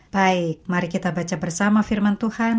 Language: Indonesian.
baik mari kita baca bersama firman tuhan